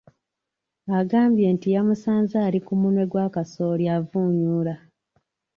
Agambye nti yamusanze ali ku munwe gwa kasooli avunyuula.